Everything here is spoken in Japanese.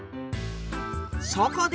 そこで！